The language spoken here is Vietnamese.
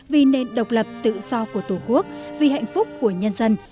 vì nền độc lập tự do của tổ quốc vì hạnh phúc của nhân dân